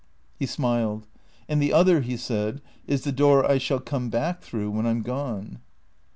He smiled. " And the other," he said, " is the door I shall come back through when I 'm gone."